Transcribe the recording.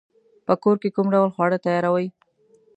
په کور کی کوم ډول خواړه تیاروئ؟